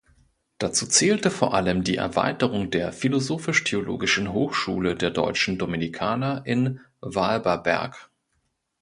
Dazu zählte vor allem die Erweiterung der Philosophisch-Theologischen Hochschule der deutschen Dominikaner in Walberberg.